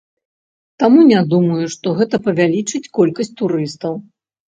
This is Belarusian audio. Таму не думаю, што гэта павялічыць колькасць турыстаў.